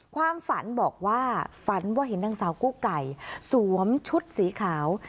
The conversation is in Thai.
ความฝันบอกว่าฝันว่าเห็นนางสาวกุ๊กไก่สวมชุดสีขาว